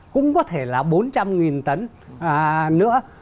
cũng có thể là bốn trăm linh tấn nữa